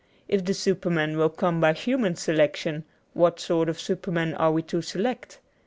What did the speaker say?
If the superman will come by human selection, what sort of superman are we to select